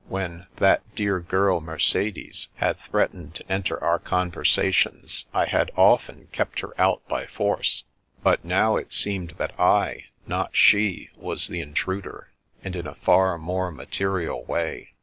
When " that dear girl Mercedes" had threatened to enter our conversa tions I had often kept her out by force; but now it seemed that I, not she, was the intruder, and in a far more material way.